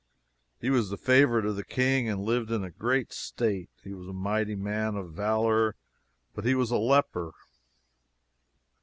He was the favorite of the king and lived in great state. "He was a mighty man of valor, but he was a leper."